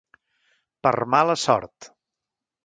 Per mala sort.